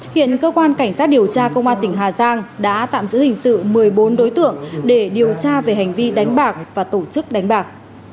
hiện cơ quan cảnh sát điều tra công an tỉnh hà giang đã tạm giữ hình sự một mươi bốn đối tượng để điều tra về hành vi đánh bạc và tổ chức đánh bạc